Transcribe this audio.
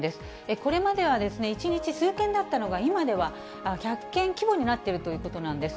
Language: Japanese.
これまでは１日数件だったのが、今では１００件規模になっているということなんです。